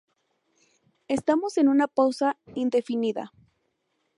Estamos en una pausa indefinida.